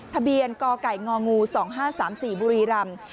ทะเบียนกไก่ง๒๕๓๔บุรีรำ